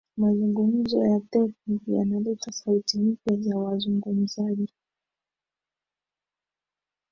mazungumzo ya tepu yanaleta sauti mpya za wazungumzaji